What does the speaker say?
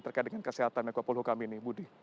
dikadangkan kesehatan menko polhukam ini budi